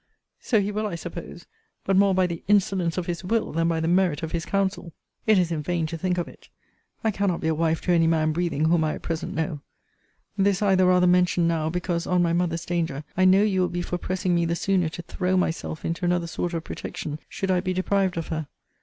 So he will, I suppose; but more by the insolence of his will than by the merit of his counsel. It is in vain to think of it. I cannot be a wife to any man breathing whom I at present know. This I the rather mention now, because, on my mother's danger, I know you will be for pressing me the sooner to throw myself into another sort of protection, should I be deprived of her.